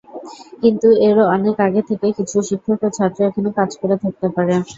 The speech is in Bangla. কিন্তু এরও অনেক আগে থেকে কিছু শিক্ষক ও ছাত্র এখানে কাজ করে থাকতে পারে।